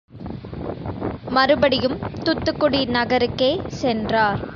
மறுபடியும் துத்துக்குடி நகருக்கே சென்றார்.